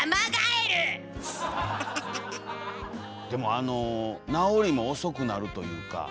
でもあの治りも遅くなるというか。